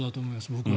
僕は。